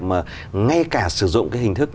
mà ngay cả sử dụng cái hình thức